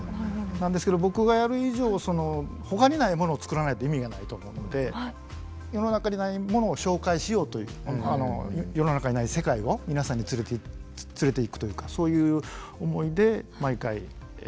なんですけど僕がやる以上他にないものをつくらないと意味がないと思うので世の中にないものを紹介しようという世の中にない世界を皆さんに連れていくというかそういう思いで毎回つくってます。